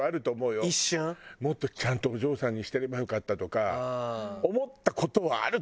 もっとちゃんとお嬢さんにしてればよかったとか思った事はあると思うよパリスだって。